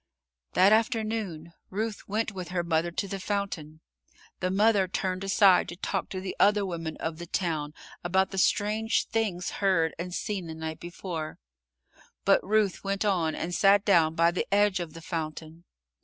That afternoon, Ruth went with her mother to the fountain. The mother turned aside to talk to the other women of the town about the strange things heard and seen the night before, but Ruth went on and sat down by the edge of the fountain.